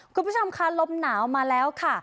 คุณผู้ชมค่ะลมหนาวมาแล้วค่ะ